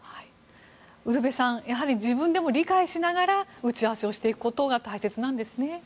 ウルヴェさん自分でも理解しながら打ち合わせしていくことが大事なんですね。